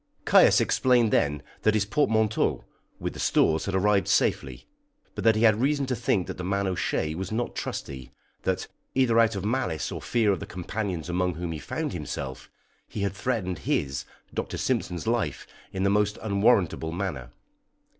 Caius explained then that his portmanteaus, with the stores, had arrived safely; but that he had reason to think that the man O'Shea was not trusty, that, either out of malice or fear of the companions among whom he found himself, he had threatened his, Dr. Simpson's, life in the most unwarrantable manner.